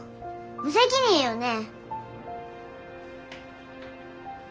無責任よね？